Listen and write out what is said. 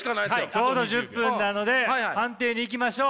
ちょうど１０分なので判定にいきましょう。